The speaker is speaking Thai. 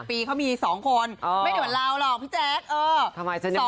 ไปต่ออีกสาวนึงสวยแมกใหม่เท้จังเลยนะ